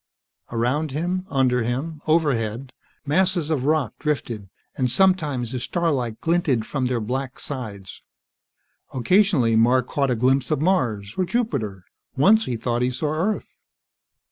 Around him, under him, overhead, masses of rock drifted, and sometimes the starlight glinted from their black sides. Occasionally, Mark caught a glimpse of Mars or Jupiter. Once he thought he saw Earth.